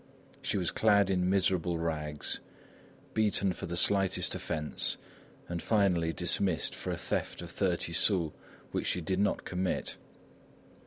She was clad in miserable rags, beaten for the slightest offence and finally dismissed for a theft of thirty sous which she did not commit.